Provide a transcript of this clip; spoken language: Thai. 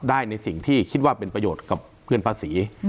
ได้ในสิ่งที่คิดว่าเป็นประโยชน์กับเงินภาษี